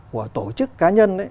của tổ chức cá nhân